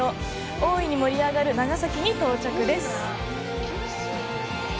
大いに盛り上がる長崎に到着です！